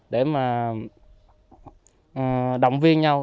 để mà động viên nhau